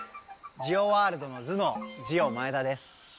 ジオワールドの頭のうジオ前田です。